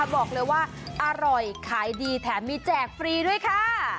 บอกเลยว่าอร่อยขายดีแถมมีแจกฟรีด้วยค่ะ